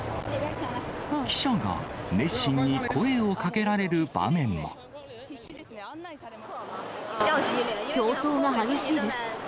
記者が熱心に声をかけられる競争が激しいです。